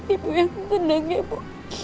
ibu yang benang ibu